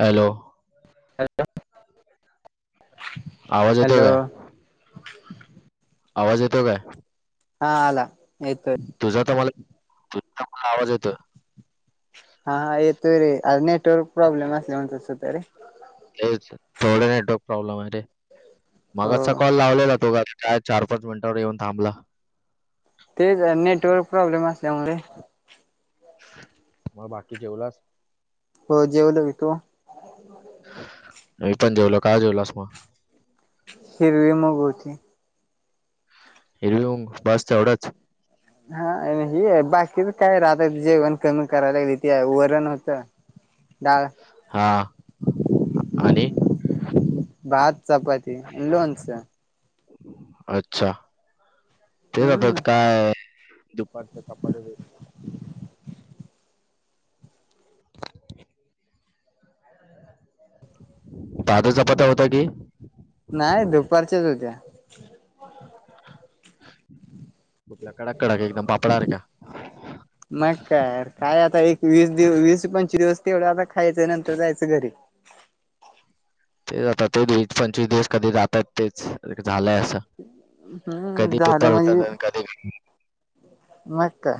Hello. आवाज येतोय hello का? आवाज येतोय काय? हा आला येतोय. तुझा तर मला [unintelligible] आवाज येतोय. हा येतो रे, अरे नेटवर्क प्रॉब्लेम असल्यामुळे तसं होतय रे. हेच थोडं नेटवर्क प्रॉब्लेम हाय रे, हो मगाचा कॉल लावलेला तो काय चार- पाच मिनटावर येऊन थांबला. तेच अं नेटवर्क प्रॉब्लेम असल्यामुळं रे. मग बाकी जेवलास? हो जेवलो की, तू? मी पण जेवलो, काय जेवलास मग? हिरवी मग होती. हिरवी मुग बस तेवढंच. हा ही बाकीच काय रं आता जेवण कमी कराय लागलीतीया वरण होतं. बाय हा अनी भात- चपाती आणि लोणच. अच्छा, तेच आता हम्म काय पाच चपाती बी [inaudible] ताज्या चपात्या होत्या की नाय दुपारच्याच होत्या. कुठला कडक- कडक एकदम पापडा सारखा. नाय कार काय आता एक- वीस दिव वीस- पंचवीस दिवस तेवढं आता खायचंय नंतर जायचं घरी. तेज आता तेवडे वीस- पंचवीस दिवस कधी जातात, तेच झालंय असं. हम्म कधी झालं पुतळ होतात पण कधी विन मगं का?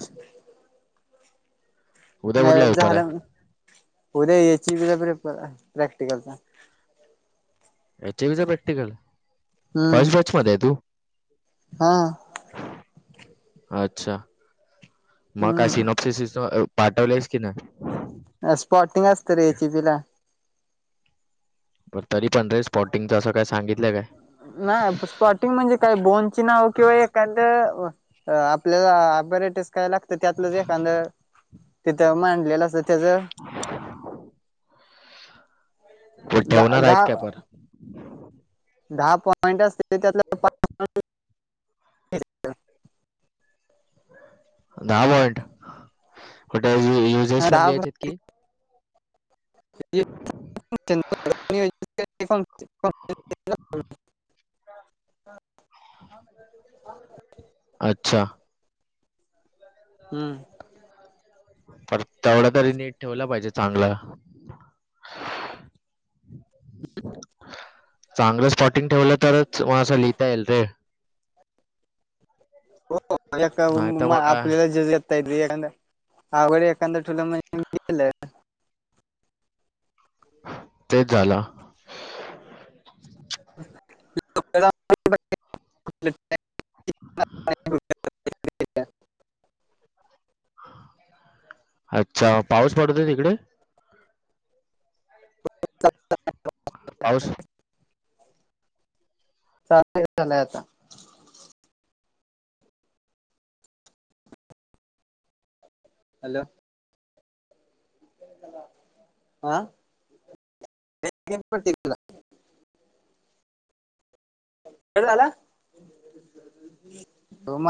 म उद्या कुठला पेपर आहे? झाला ना उद्या याचीे वेगळी प्रॅक्टिकलला एच ई यु चा प्रॅक्टिकल हम्म फर्स्ट बॅच मध्ये आहे तू? हा अच्छा. मग काय हम्म सिनॉप्स सि पाठवलेस की नाय? स्पार्कल असतं रे एच ई बीला. तरी पण रे स्पॉटिंगचं असं काय सांगितलं काय? नाही आं स्पॉटिंग म्हणजे काय बोनची नाव किंवा एखादं आपल्याला ऍपरेटीस काय लागतं त्यातलंज एखादं तिथं मांडलेलं असत त्याचं [unintelligible] ठेवणार आहेत दहा काय पर? दहा पॉईंट असते त्यातल दहा पॉइंट कुठे युजेस पण दहा लिहायचेत की [unintelligible] अच्छा [inaudible] हम्म. पर तेवढं तरी नीट ठेवलं पाहिजे चांगल. [unintelligible] चांगलं स्पॉटिंग ठेवलं तरच म असं लिहिता येईल रे. हो नाही तर मग काय आपल्याला [inaudible] [unintelligible] तेच झालं. [unintelligible] गेलं [inaudible] अच्छा पाऊस पडतय तिकडे? [unintelligible] पाऊस? चालू झालंय आता. हॅलो. [unintelligible] कट झाला? हो म